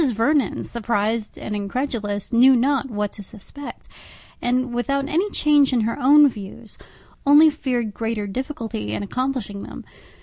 Vernon, surprized and incredulous, knew not what to suspect, and, without any change in her own views, only feared greater difficulty in accomplishing them.